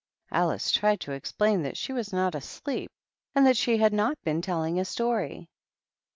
Alice tried to explain that she was not asleep and that she had not been telling a story.